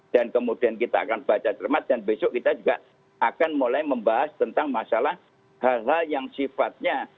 dan kemudian kita akan baca cermat dan besok kita juga akan mulai membahas tentang masalah hal hal yang sifatnya